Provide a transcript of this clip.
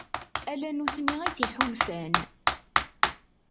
Ala nutni i t-iḥulfan.